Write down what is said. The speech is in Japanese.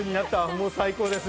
もう最高です！